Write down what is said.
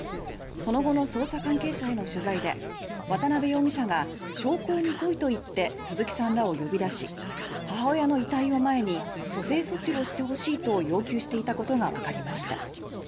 その後の捜査関係者への取材で渡辺容疑者が「焼香に来い」と言って鈴木さんらを呼び出し母親の遺体を前に「蘇生措置をして欲しい」と要求していたことが分かりました。